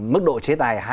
mức độ chế tài